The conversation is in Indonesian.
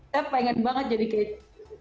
saya pengen banget jadi kayak